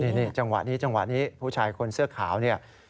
นี่จังหวะนี้จังหวะนี้ผู้ชายคนเสื้อขาวเนี่ย